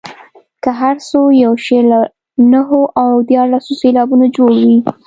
که هر څو یو شعر له نهو او دیارلسو سېلابونو جوړ وي.